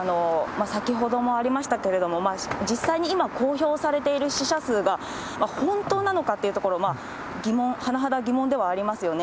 先ほどもありましたけれども、実際に今公表されている死者数が本当なのかというところ、疑問、甚だ疑問ではありますよね。